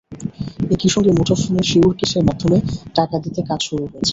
একই সঙ্গে মুঠোফোন শিওর ক্যাশের মাধ্যমে টাকা দিতে কাজ শুরু হয়েছে।